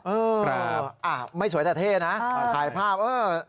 ครับไม่สวยแต่เท่นะถ่ายภาพอ้าว